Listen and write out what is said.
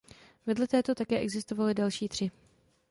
Vedle této také existovaly další tři.